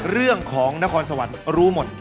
เรื่องของนครสวรรค์รู้หมด